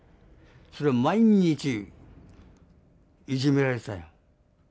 それを毎日いじめられたよ。